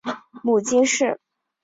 母金氏。